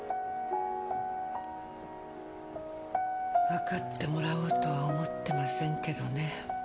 わかってもらおうとは思ってませんけどね。